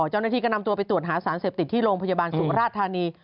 เจ้าหน้าที่ก็นำตัวไปตรวจหาสารเสพติดที่โรงพยาบาลสุมราชธานี